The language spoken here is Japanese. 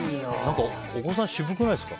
お子さん、渋くないですか？